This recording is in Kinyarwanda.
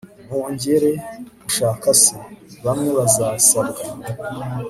bongere gushaka se, bamwe bazasabwa